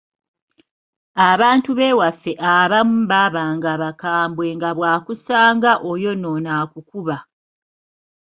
Abantu b’ewaffe abamu baabanga bakambwe nga bw’akusanga oyonoona akukuba.